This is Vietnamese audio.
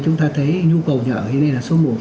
chúng ta thấy nhu cầu nhà ở như thế này là số một